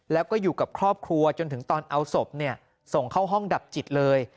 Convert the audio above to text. แล้วก็อยู่กับครอบครัวจนถึงตอนเอาศพส่งเข้าห้องดับจิตเลย